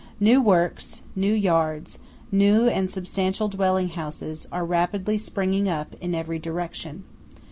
New works, new yards, new and substantial dwelling houses, are rapidly springing up in every direction.